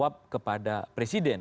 tanggung jawab kepada presiden